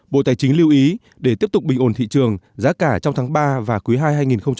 bộ tài chính lưu ý để tiếp tục bình ổn thị trường giá cả trong tháng ba và cuối hai hai nghìn một mươi tám